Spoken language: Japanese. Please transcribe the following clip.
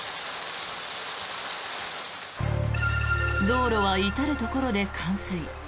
道路は至るところで冠水。